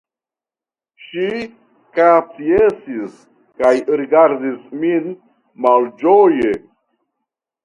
Ŝi kapjesis kaj rigardis min malĝoje.